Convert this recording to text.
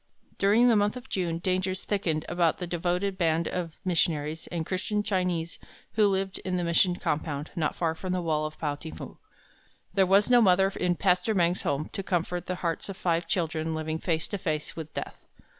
During the month of June dangers thickened about the devoted band of missionaries and Christian Chinese who lived in the mission compound not far from the wall of Pao ting fu. There was no mother in Pastor Meng's home to comfort the hearts of five children living face to face with death.